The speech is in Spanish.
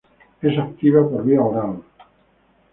Es activa por vía oral.